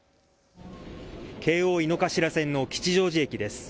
京王井の頭線の吉祥寺駅です。